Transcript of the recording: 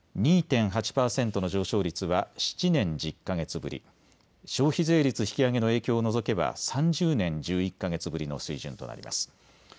２．８％の上昇率は７年１０か月ぶり、消費税率引き上げの影響を除けば３０年１１か月ぶりの水準となります。